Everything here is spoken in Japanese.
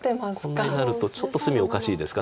こんなになるとちょっと隅おかしいですか。